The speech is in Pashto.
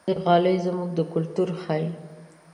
غالۍ زموږ کلتور ښيي.